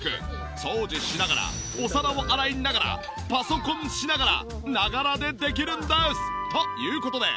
掃除しながらお皿を洗いながらパソコンしながらながらでできるんです！という事で。